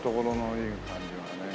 いい感じだよね。